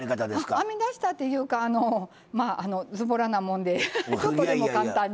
編み出したっていうかずぼらなもんでちょっとでも簡単に。